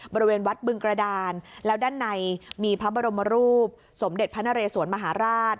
บริเวณวัดบึงกระดานแล้วด้านในมีพระบรมรูปสมเด็จพระนเรสวนมหาราช